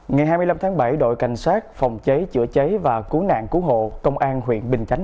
ngày hai mươi năm tháng bảy đội cảnh sát phòng cháy chữa cháy và cứu nạn cứu hộ công an huyện bình chánh